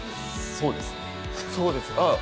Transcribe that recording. そうですねあっ